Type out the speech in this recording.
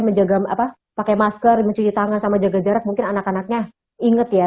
menjaga pakai masker mencuci tangan sama jaga jarak mungkin anak anaknya inget ya